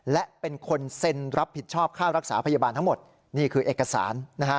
และเป็นคนเซ็นรับผิดชอบค่ารักษาพยาบาลทั้งหมดนี่คือเอกสารนะฮะ